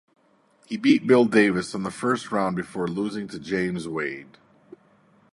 He beat Bill Davis in the first round before losing to James Wade.